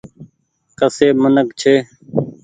ڪسي منک ڇي ۔